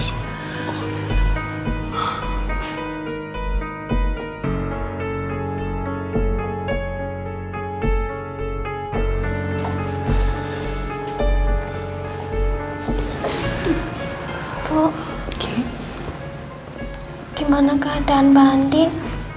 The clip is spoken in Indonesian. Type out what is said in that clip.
semoga keadaan mbak andin